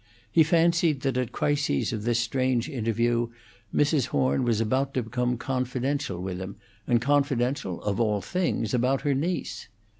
He fancied that at crises of this strange interview Mrs. Horn was about to become confidential with him, and confidential, of all things, about her niece.